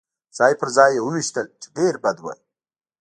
ځای پر ځای يې وویشتل، چې ډېر بد و.